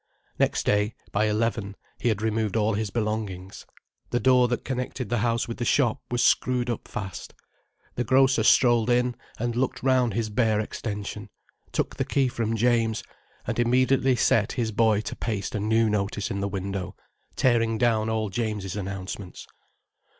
Next day, by eleven, he had removed all his belongings, the door that connected the house with the shop was screwed up fast, the grocer strolled in and looked round his bare extension, took the key from James, and immediately set his boy to paste a new notice in the window, tearing down all James's announcements.